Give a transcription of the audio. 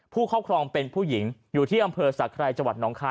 ผู้ครอบครองเป็นผู้หญิงอยู่ที่อำเภอศักรายจนค